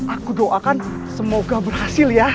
aku doakan semoga berhasil ya